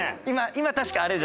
今確かあれじゃない？